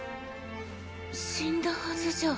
死んだはずじゃ。